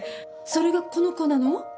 それがこの子なの？